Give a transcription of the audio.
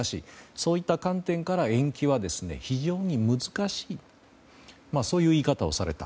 そういった観点から延期は非常に難しいという言い方をされた。